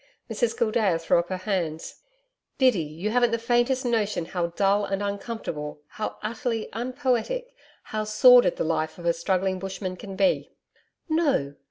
Mrs Gildea threw up her hands. 'Biddy, you haven't the faintest notion how dull and uncomfortable how utterly unpoetic how sordid the life of a struggling bushman can be.' 'No!